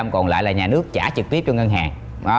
còn lại là nhà nước trả trực tiếp cho ngân hàng